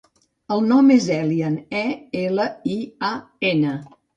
El nom és Elian: e, ela, i, a, ena.